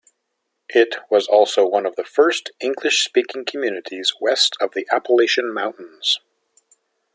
It was also one of the first English-speaking communities west of the Appalachian Mountains.